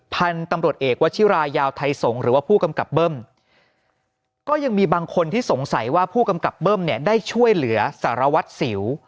พันธุ์ตำรวจเอกวชิรายาวไทยสงฆ์หรือว่าผู้กำกับเบิ้มก็ยังมีบางคนที่สงสัยว่าผู้กำกับเบิ้มเนี่ยได้ช่วยเหลือสารวัตรสิว